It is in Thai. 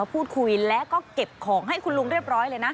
พูดคุยแล้วก็เก็บของให้คุณลุงเรียบร้อยเลยนะ